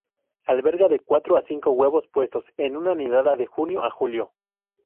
Alberga de cuatro a cinco huevos puestos en una nidada, de junio a julio.